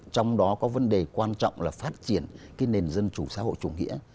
trong đó có vấn đề quan trọng là phát triển cái nền dân chủ xã hội chủ nghĩa